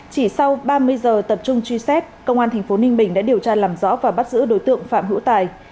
chỉ sau ba mươi giờ tập trung truy xét công an tp ninh bình đã điều tra làm rõ và bắt giữ đối tượng phạm hữu tài